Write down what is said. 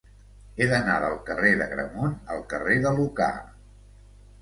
He d'anar del carrer d'Agramunt al carrer de Lucà.